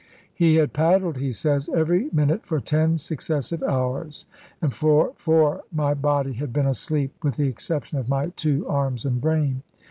He had paddled, he says, " every min ute for ten successive hours, and for four my body had been 'asleep,' with the exception of my two "Narra?' arms and brain."